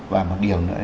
và một điều nữa